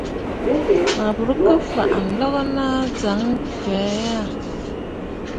Mə bùrə kɨ fàʼà ǹloln aa ŋgaa ŋgwɛ̀ʼɛ̀ yâ.